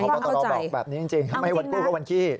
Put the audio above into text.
พระบัตรรอบอกแบบนี้จริงไม่วันคู่ก็วันขี้